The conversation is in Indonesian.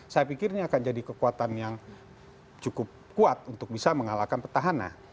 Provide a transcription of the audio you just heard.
saya pikir ini akan jadi kekuatan yang cukup kuat untuk bisa mengalahkan petahana